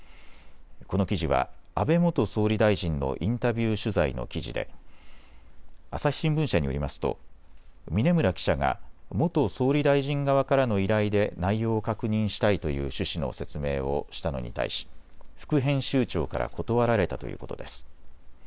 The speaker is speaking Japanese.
この記事は安倍元総理大臣のインタビュー取材の記事で朝日新聞社によりますと峯村記者が元総理大臣側からの依頼で内容を確認したいという趣旨の説明をしたのに対し、副編集長から断られたということです。